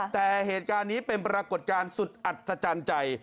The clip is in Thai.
แต่เหตุการณ์นี้เป็นปรากฏการณ์สุดอัศจรรย์ใจ